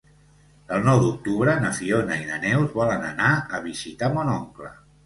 El nou d'octubre na Fiona i na Neus volen anar a visitar mon oncle.